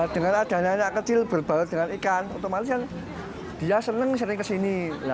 dengan adanya anak kecil berbaut dengan ikan otomatis dia senang sering ke sini